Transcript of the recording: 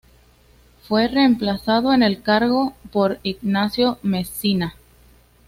Fue reemplazado en el cargo por Ignazio Messina.